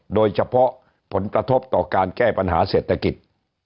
โดยเฉพาะผลกระทบต่อการแก้ปัญหาเศรษฐกิจ